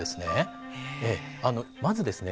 まずですね